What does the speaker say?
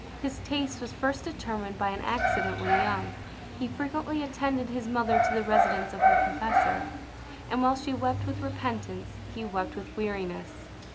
His taste was first determined by an accident: when young, he frequently attended his mother to the residence of her confessor; and while she wept with repentance, he wept with weariness!